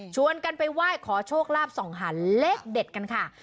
กันไปไหว้ขอโชคลาภส่องหาเลขเด็ดกันค่ะ